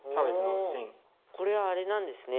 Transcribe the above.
これはあれなんですね。